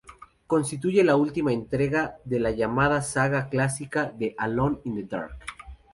Constituye la última entrega de la llamada saga clásica de "Alone in the Dark".